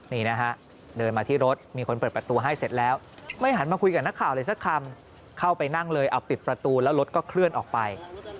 นี่นะฮะเดินมาที่รถมีคนเปิดประตูให้เสร็จแล้วไม่หันมาคุยกับนักข่าวเลยสักคำเข้าไปนั่งเลยเอาปิดประตูแล้วรถก็เคลื่อนออกไป